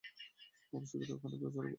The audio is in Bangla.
আমরা শীঘ্রই ওখানে পৌঁছাবো।